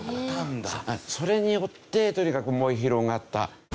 それによってとにかく燃え広がった。